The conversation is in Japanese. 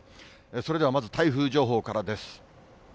それではまず台風情報からです。